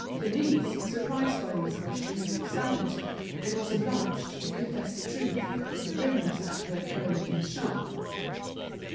Denise, surprised by these questions, stammered, and was obliged to confess the truth, the rumors that were current in the shop.